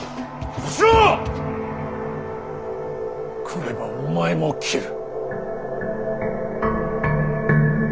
来ればお前も斬る。